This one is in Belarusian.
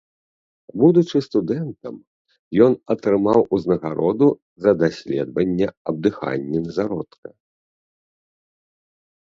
Будучы студэнтам, ён атрымаў узнагароду за даследаванне аб дыханні зародка.